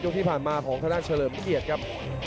ยกที่ผ่านมาของท่านฉริย์มเกียร์ครับ